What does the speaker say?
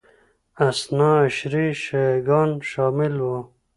اثناعشري شیعه ګان شامل وو